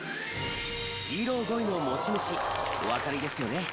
ヒーロー声の持ち主おわかりですよね？